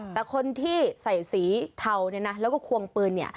แต่คนที่ใส่สีเทาแล้วก็ควงปืน